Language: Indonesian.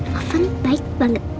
valuvan baik banget